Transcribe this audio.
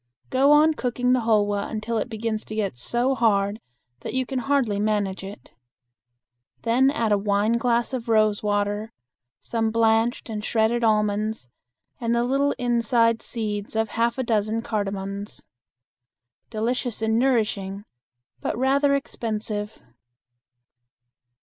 Go on cooking the hulwa until it begins to get so hard that you can hardly manage it. Then add a wineglass of rose water, some blanched and shredded almonds and the little inside seeds of half a dozen cardamons. Delicious and nourishing, but rather expensive.